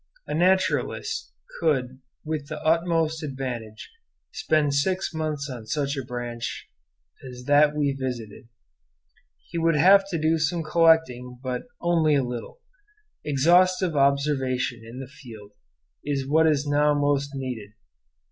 A naturalist could with the utmost advantage spend six months on such a branch as that we visited. He would have to do some collecting, but only a little. Exhaustive observation in the field is what is now most needed.